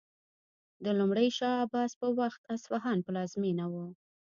د لومړي شاه عباس په وخت اصفهان پلازمینه و.